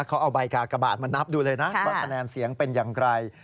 เขาเอาใบกากบาทมานับดูเลยนะว่าคะแนนเสียงเป็นอย่างไร